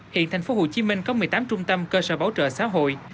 hiện thành phố hồ chí minh có một mươi tám trung tâm cơ sở bảo trợ xã hội